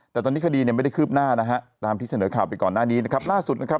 แต่ตอนนี้คดีเนี่ยไม่ได้คืบหน้านะฮะตามที่เสนอข่าวไปก่อนหน้านี้นะครับล่าสุดนะครับ